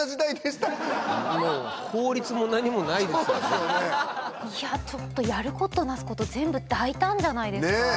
そうですよねいやちょっとやることなすこと全部大胆じゃないですか？